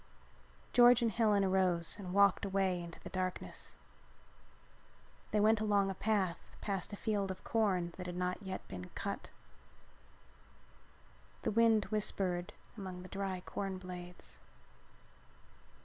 George and Helen arose and walked away into the darkness. They went along a path past a field of corn that had not yet been cut. The wind whispered among the dry corn blades.